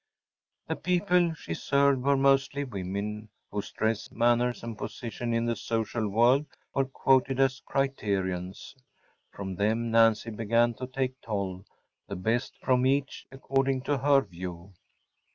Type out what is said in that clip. The people she served were mostly women whose dress, manners, and position in the social world were quoted as criterions. From them Nancy began to take toll‚ÄĒthe best from each according to her view.